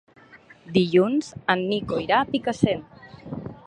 Dilluns en Nico irà a Picassent.